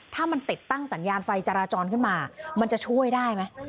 ถ้ามันติดตั้งสัญญาณไฟจราจรขึ้นมามันจะช่วยได้ไหม